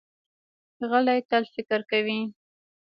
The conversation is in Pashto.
غلی، تل فکر کوي.